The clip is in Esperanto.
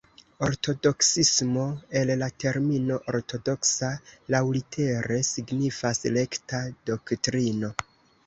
Ortodoksismo, el la termino "ortodoksa" laŭlitere signifas "rekta doktrino".